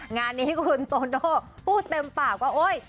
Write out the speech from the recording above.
งานนี้คุณโตโน่พูดเต็มปากก็โอ๊ย